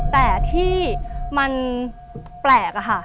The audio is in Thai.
แต่ที่มันแปลกอะค่ะ